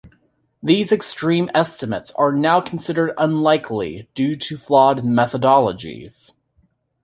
These extreme estimates are now considered unlikely due to flawed methodologies.